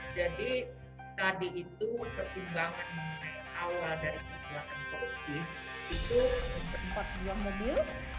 jadi tadi itu pertumbangan mengenai awal dari pertumbuhan kaukulip itu empat buah mobil